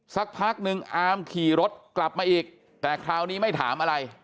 สักพักนึงอาร์มขี่รถกลับมาอีกแต่คราวนี้ไม่ถามอะไร